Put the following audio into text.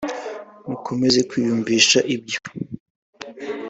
mukomeze kwiyumvisha ibyo